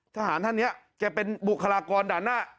ทหารท่านนี้แกเป็นบุคลากรด่านหน้า